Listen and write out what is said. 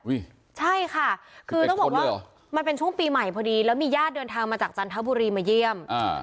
ใช่ค่ะคือต้องบอกว่ามันเป็นช่วงปีใหม่พอดีแล้วมีญาติเดินทางมาจากจันทบุรีมาเยี่ยม